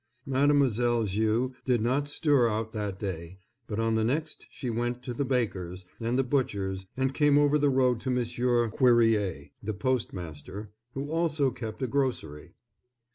Mademoiselle Viau did not stir out that day, but on the next she went to the baker's and the butcher's and came over the road to Monsieur Cuerrier, the postmaster, who also kept a grocery.